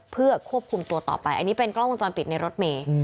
เพื่อควบคุมตัวต่อไปอันนี้เป็นกล้องวงจรปิดในรถเมย์